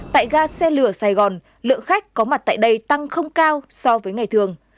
tại ga xe lửa sài gòn lượng khách có mặt tại đây tăng không cao so với ngày thường